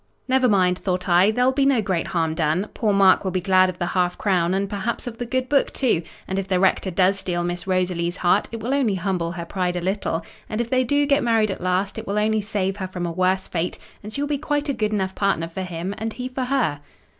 "Never mind!" thought I, "there'll be no great harm done. Poor Mark will be glad of the half crown, and perhaps of the good book too; and if the Rector does steal Miss Rosalie's heart, it will only humble her pride a little; and if they do get married at last, it will only save her from a worse fate; and she will be quite a good enough partner for him, and he for her."